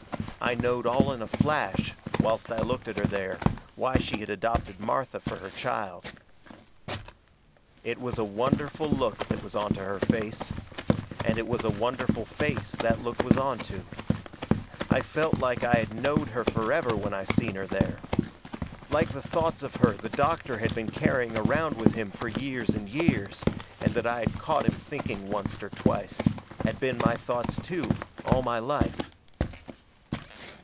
I knowed all in a flash, whilst I looked at her there, why she had adopted Martha fur her child. It was a wonderful look that was onto her face. And it was a wonderful face that look was onto. I felt like I had knowed her forever when I seen her there. Like the thoughts of her the doctor had been carrying around with him fur years and years, and that I had caught him thinking oncet or twicet, had been my thoughts too, all my life.